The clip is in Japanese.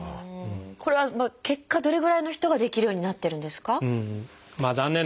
これは結果どれぐらいの人ができるようになってるんですか？